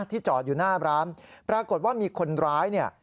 จอดอยู่หน้าร้านปรากฏว่ามีคนร้ายเนี่ย